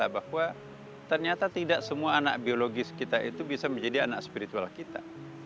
bahwa ternyata tidak semua anak biologis kita itu bisa menjadi anak spiritual kita